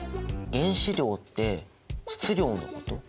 原子量って質量のこと？